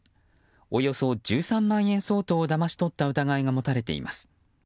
およそ１３万円相当をだまし取った疑いが持たれています。